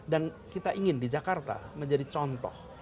dan kita ingin di jakarta menjadi contoh